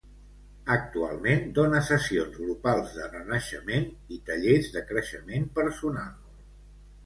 Actualment dona sessions grupals de renaixement i tallers de creixement personal.